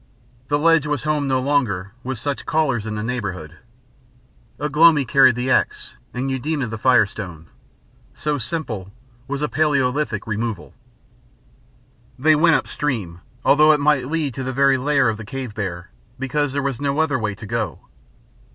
The ledge was a home no longer, with such callers in the neighbourhood. Ugh lomi carried the axe and Eudena the firestone. So simple was a Palæolithic removal. They went up stream, although it might lead to the very lair of the cave bear, because there was no other way to go.